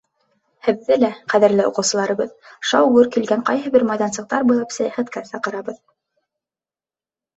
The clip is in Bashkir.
Һеҙҙе лә, ҡәҙерле уҡыусыларыбыҙ, шау-гөр килгән ҡайһы бер майҙансыҡтар буйлап сәйәхәткә саҡырабыҙ.